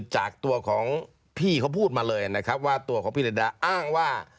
จากตัวของพี่เขาพูดมาเลยนะครับว่าตัวของพี่เดดาอ้างว่า